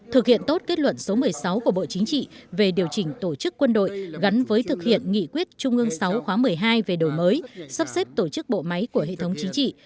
thực hiện tốt kết luận số một mươi sáu của bộ chính trị về điều chỉnh tổ chức quân đội gắn với thực hiện nghị quyết trung ương sáu khóa một mươi hai về đổi mới sắp xếp tổ chức bộ máy của hệ thống chính trị